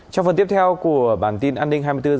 trong phần tiếp theo của bản tin an ninh hai mươi bốn h